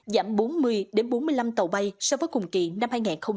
giảm bốn mươi bốn mươi năm tàu bay so với cùng kỳ năm hai nghìn hai mươi ba